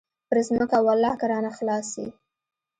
پر ځمکه ولله که رانه خلاص سي.